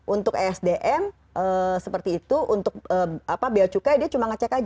untuk esdm seperti itu untuk apa biaya cukai dia cuma ngecet